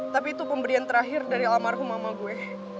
tapi itu pemberian terakhir dari almarhum mama gue